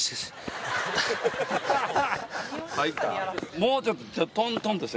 もうちょっとトントンとして。